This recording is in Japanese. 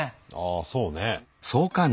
あそうね。